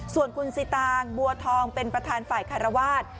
ส่วนคุณสิตางบัวทองเป็นประธานฝ่ายคารวาส